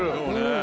そうね。